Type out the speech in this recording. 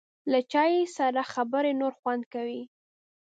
له چای سره خبرې نور خوند کوي.